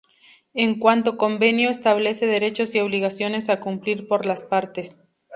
En cuanto convenio, establece derechos y obligaciones a cumplir por las partes.